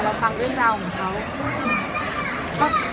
แล้วฟังเรื่องราวของเค้า